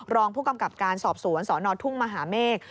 รองผู้กำกับการสอบสวนสนทุ่งมหาเมฆ